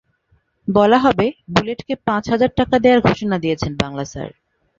বলা হবে, বুলেটকে পাঁচ হাজার টাকা দেওয়ার ঘোষণা দিয়েছেন বাংলা স্যার।